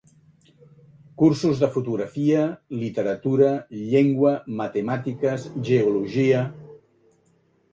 Cursos de fotografia, literatura, llengua, matemàtiques, geologia...